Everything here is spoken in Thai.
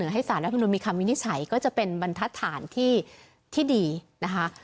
ให้สารรัฐมนุนมีคำวินิจฉัยก็จะเป็นบรรทัศนที่ดีนะคะ